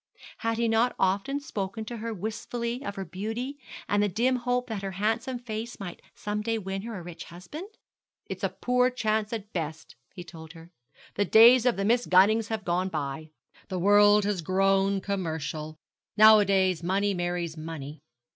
Had he not often spoken to her wistfully of her beauty, and the dim hope that her handsome face might some day win her a rich husband? 'It's a poor chance at the best,' he told her. 'The days of the Miss Gunnings have gone by. The world has grown commercial. Nowadays money marries money.'